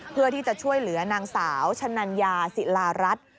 เพื่อที่จะช่วยเหลือนางสาวชะนัญญาศิลารัฐ